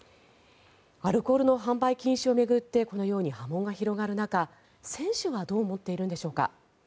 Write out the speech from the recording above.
アルコールの販売禁止を巡ってこのように波紋が広がる中選手はどう思っているのでしょうか。